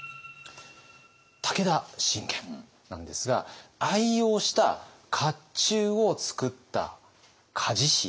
武田信玄なんですが愛用した甲冑をつくった鍛冶師。